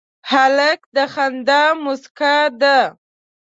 هلک د خندا موسکا ده.